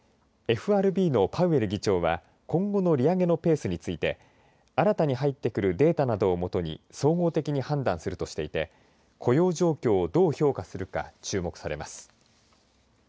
ＦＲＢのパウエル議長は今後の利上げのペースについて新たに入ってくるデータなどをもとに総合的に判断するとしていて雇用状況をどう評価するか注目されます。